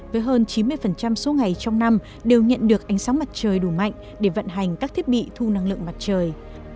với hơn chín mươi số ngày trong năm đều nhận được ánh sáng mặt trời đủ mạnh để vận hành các thiết bị thu năng lượng mặt trời